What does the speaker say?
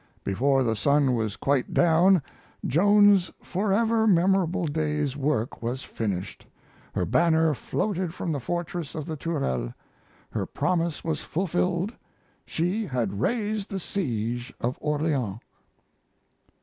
Before the sun was quite down Joan's forever memorable day's work was finished, her banner floated from the fortress of the Tourelles, her promise was fulfilled, she had raised the siege of Orleans!